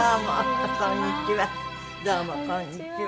どうもこんにちは。